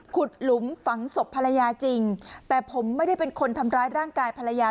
หลุมฝังศพภรรยาจริงแต่ผมไม่ได้เป็นคนทำร้ายร่างกายภรรยา